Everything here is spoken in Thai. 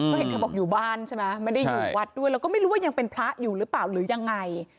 เพราะเห็นเธอบอกอยู่บ้านใช่ไหมไม่ได้อยู่วัดด้วยแล้วก็ไม่รู้ว่ายังเป็นพระอยู่หรือเปล่าหรือยังไง